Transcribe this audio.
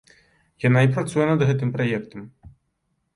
Яна і працуе над гэтым праектам.